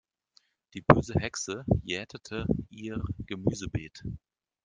Die böse Hexe jätete ihr Gemüsebeet.